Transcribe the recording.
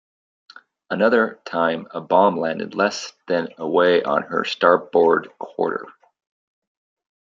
Another time, a bomb landed less than away on her starboard quarter.